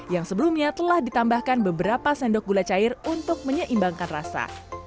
yang sebelumnya telah ditambahkan beberapa sendok gula cair untuk menyeimbangkan rasa